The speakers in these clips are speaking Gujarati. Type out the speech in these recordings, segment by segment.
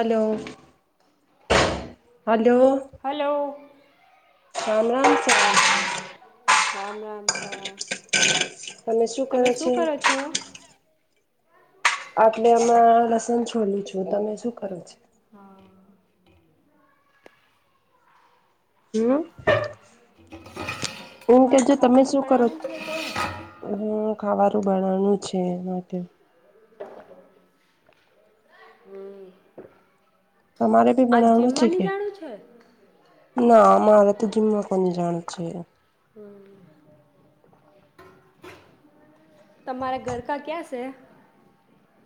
હલો. હલો સામ સા રામ રામ શાહ [inaudible] તમે શું કરો છો આપટલે હમાં લસણ છોલું છું તમે શું કરો છો હા. હમ. એમ તમારે કેજો તમે ખાવાનું શું કરો બનાવાનું છે કે હ ખાવાનું ભણવાનું છે એ માટે હમ [inaudible] તમારે ભી બનાવનું છે કે છે ના અમારે તો જીમમાં કોની જાણ છે હમ તમારા ઘરકા ક્યાં છે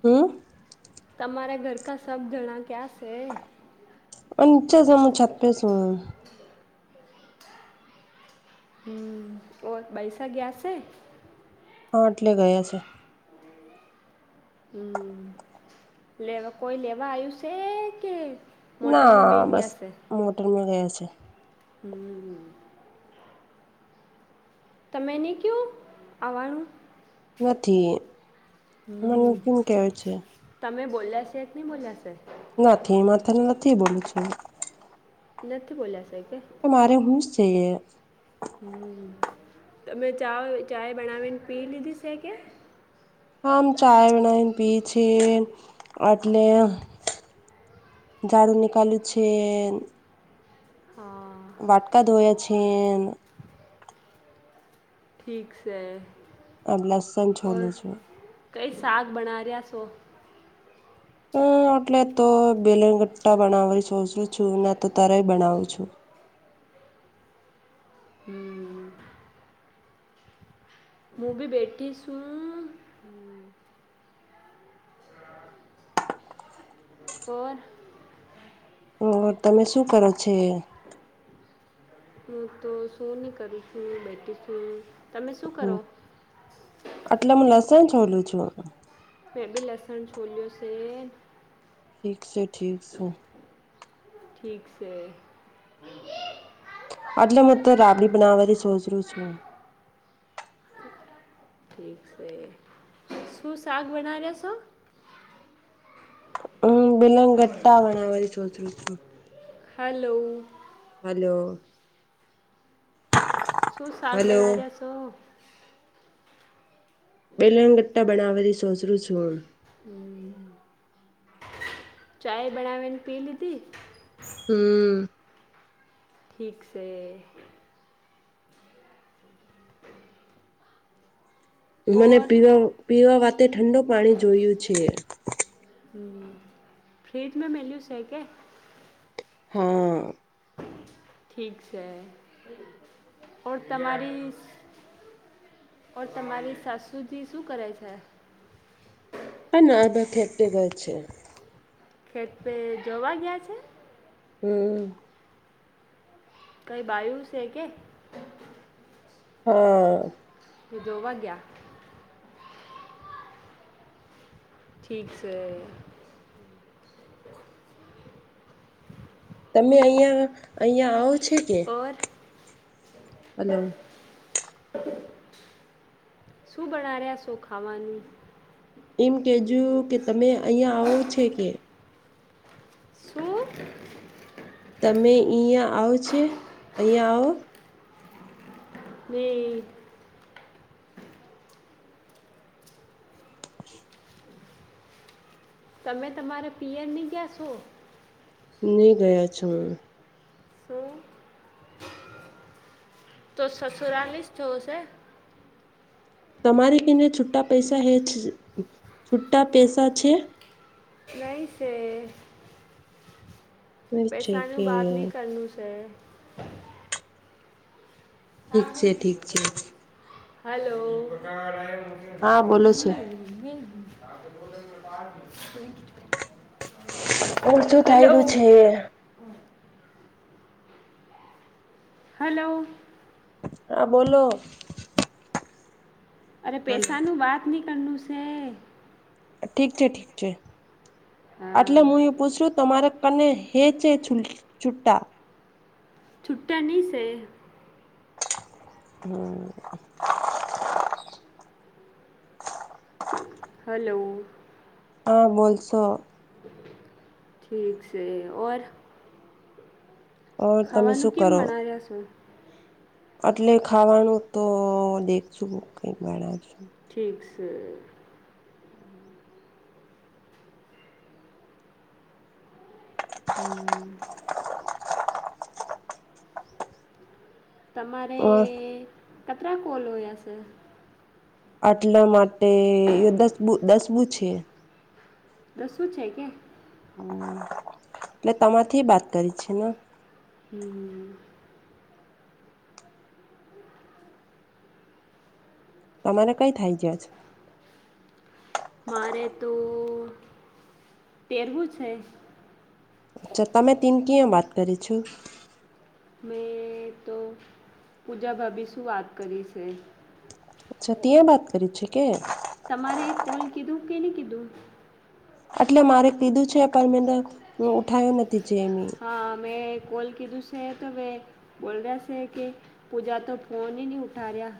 હમ તમારા ઘર કા સબ જણા ક્યાં છે પચ જમું ચતસ હમ ઓ બેૈસા ગયા છે હા એટલે ગયા છે. હમ લેવા કોઈ લેવા આવ્યું છે કે મોટરમાં ના બેન બસ ગયા છે મોટરમાં ગયા છે. હમ. [inaudible] તમેને કો આવવાનું નથી મને કેમ કેવ છે બોલે્યા છેશે નને બોલેંશે નથી માથાને નથી બોલું છું નથી બોલે્યા સા તમા મારે હુંશ જઈએ ત મેમે ચા ચાય બનાવીને પી લીધી છે કે હમ ચાય બનાવીને પી છે એટલે ઝાડું નિકાલું છે. હા વાટકા ધોયા છે ઠીક છે આ લસન છોલ છો સાક બણાર્યા સો. હ એટલે તો બેલગટ્ટા બનાવવાની સોચું છું ના તો તરેય બનાવું છું. હમ્મ. હું બી બેઠી છુંઉઉ. હમ્મ. ઓર. અહ તમે શું કરો છે. હું તો સોની કરું છું, બેઠું છું. તમે શું કરો? ચલ છોલું છું. હબે લસણ છોલ્યો છે એ. ઠીક છે, ઠીક છે. ઠીક છે [inaudible] એટલે હું તો રાબડી બનાવાની સોચરું છું. ઠીક છે શું શાક બનારીયા છો? હમ્મ બેલંગ ગટ્ટા બનાવાની સોચરું છું. હલો. હલો. શું શાક હલો બનારિયા છો? બેલગટ્ટા બનાવા ની સોચરું છું હું. હમ્મ ચાય બનાવીન પી લીધી. હમ્મ. ઠીક છે. મને ઓર પીવા પીવા વાતે ઠંડુ પાણી જોયું છે. હમ્મ ફ્રિજમાં મેલીયું સેકે. હા. ઠીક છે ઓર તમારી [unintelligible] ઓર તમારી સાસુજી શું કરે છે? ત ન એવે ફેકટે ગય છે. ખેત પે જોવા ગયા છે? હમ્મ. કઈ બાયુ છે કે? હા. તો જોવા ગ્યા. ઠીક છે. હમ્મ. તમે અહિયાં અહિયાં આવો છે કે. ઓર હલો. [inaudible] શું બણારિયાં રહ્યા શો ખાવાનું? એમ કેજું કે તમે અહિયાંયા આવો છે કે. શું તમે અહયાં આવો છે, અહંયા આવ. ને તમે તમારે પિયરની ગ્યા છો. નુ ગયા છો હું. [inaudible] તો સસુરાલીસ થવુંશે. તમારી કેને છુટા પૈસા હે છ છ છુટા પૈસા છે. નઈશે છે પૈસાનું કે બાદ ની કરનું છે. ઠીક છે ઠીક છે હલો. હા બોલો છે. [unintelligible] ઓ શું થાય હલો રહ્યું છે હલો હા બોલો અરે હલો પેસાનું બાત ની કરનું છે ઠીક છે ઠીક છે હા આટલે હું એ પૂછું તમારે કને હે છે છ છુટ્ટા છુટા છેે હમ હલો હા બો છો ઠીક છે ઓર ઓર તમે ખાવાનું શું કેમ કરો મના રહ્યા સુ એટલે ખાવાનું તો દેખશું કઈક ઠીક છે [unintelligible] હમ્મ. તમારે કટરા કોલ હોયા છે આટલા માટે દસબું દસ બું છે રસવું છે કે એટલે તમાથી બાત કરી છે ને હમ, તમારે કઈ થાય છેજ મારે તો તેરવું છે અચ્છા તમે ટીમ કં વાત કરી છું મેં તો પૂજા ભાભી શું વાત કરી છે અચ્છા ત્યા વાત કરી છે કે તમારે કોલ કીધું કે નહી કીધું એટલે મારે કીધું છે પર મેં તો ઉઠાયો ન હા મે કોલ કીધું છે તો મે બોલ રહ્યા છે કે પૂજા તો ફોન નહી ઉઠા રહ્યા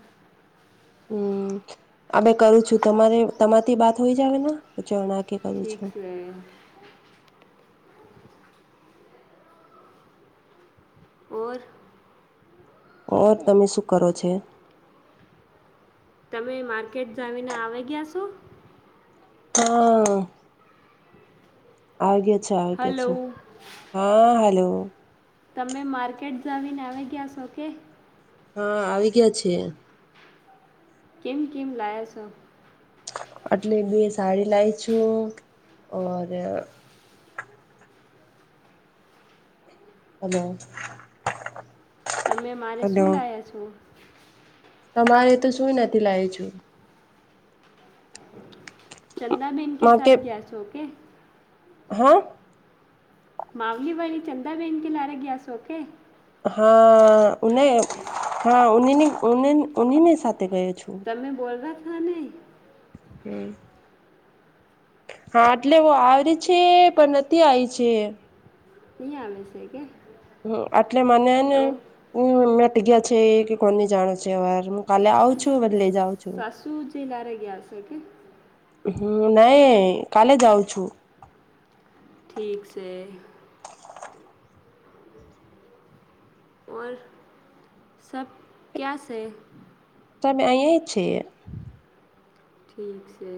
આ બેે કરું છું તમારે તમારીથી બાત હોઈ જાવ ના ઠીક છે ઓર ઓર તમે શું કરો છો? તમે માર્કેટ જાવીને આવી ગયા છો હા આવગ આવગ હલો હા હલો તમે માર્કેટ જાવીને આવી ગયા છો કે હા આવી ગયા છે કેમ કેમ લાયા છો? એટલે બે સાડી લાવ છું ઓર [unintelligible] તમે મારે હલો શું લાવ્યા છો તમારે તો સુું નથી લાવ છું ચંદના મેં ન કે સા ગયા છોકે હા માવલી વાી ચંદાબેન કે લારે ગયા સોખ હા હા ઉને સા તમે બોલો હમ. હા એટલે વો આવરી છે પણ નથી આઈ છે. ઈ આવે છે કે? હ એટલે મને હેને તો મેટી ગયા છે કે કોની જાણ છે [unintelligible] અ વાર. કાલે આવ છું [unintelligible] લઈ જાઉ છું. આવશે કે? હમ નાહી કાલે જાઉ છું. ઠીક છે. ઓર સબ ક્યા છે? તમે અહીયા જ છે ઠીક છે.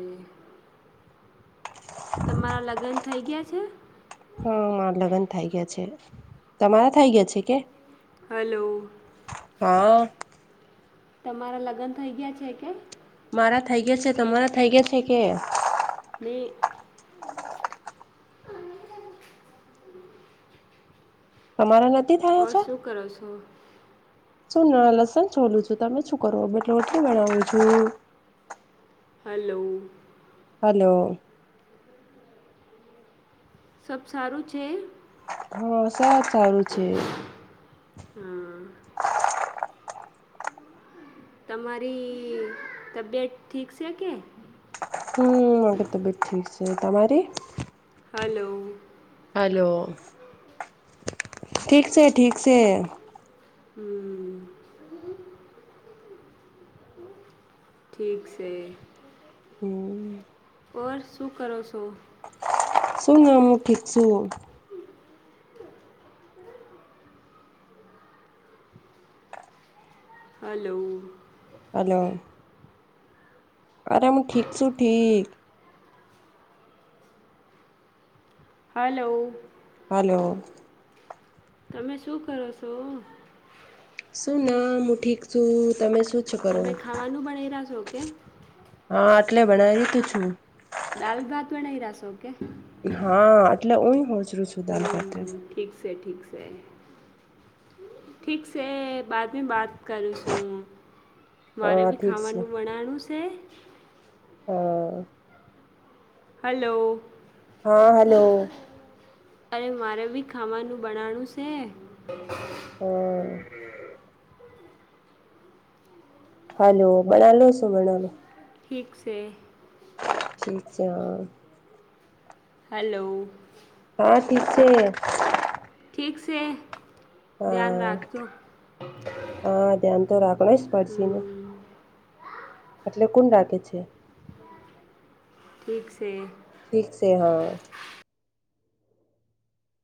તમારા લગન થઇ ગયાં છે? હા મારા લગન થઇ ગયા છે. તમારા થઇ ગયા છે કે? હલો. હા તમારા લગન થઇ ગયા છે કે? મારા થઈ ગયા છે તમારા થઇ ગયા છે કે? બેને [inaudible] હ [inaudible] તમારા [inaudible] ઓર છે શું કરો છો? શું ન લસણ છોલું છું તમે શું કરો? રોટલી બનાવું છું. હાલો. હાલો. સબ સારું છે? હા સાદ સારું છે. હા તમારી તબિયત ઠીક છે કે? હમ મારી તબિયત ઠીક છે તમારી? હાલો. હેલો ઠીક છે ઠીક છે. હમ. ઠીક છે. હમ ઓર શું કરો શો? શું [unintelligible] ઠીક છું. હાલો. હલો અરે મું ઠીક છું ઠીક. હાલો. હાલો. તમે શું કરો શો? શું [unintelligible] હું ઠીક છું તમે? ઓછું કરો તમે ખાવાનું બનાવી રહ્યા છો કે હા એટલે [unintelligible] તું છું દાલભાત [unintelligible] શો કે? હા એટલે ઉય હોજરું છું [unintelligible] તે ઠીક છે બાદ મેં બાત કરું છું. મારે હા બી ઠીક છે ખાવાનું બનાવાનું છે. હા. હલો. હા હલો. અરે મારે બી ખાવાનું બનાણું છે. હમ. હાલો બનાલો શું બનાલો ઠીક છે. પીચા હલો. હા ઠી છે. ઠીક છે. ધ્યાન હા રાખજો હા ધ્યાન તો રાખણ જ પડશે ને હમ્મ. એટલે કોન રાખે છે. ઠીક છે. ઠીક છે હા.